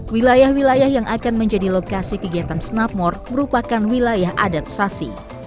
wilayah wilayah yang akan menjadi lokasi kegiatan snapmort merupakan wilayah adat sasi